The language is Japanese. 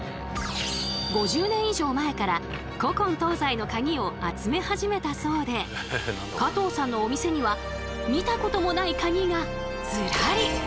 ５０年以上前から古今東西のカギを集め始めたそうで加藤さんのお店には見たこともないカギがズラリ。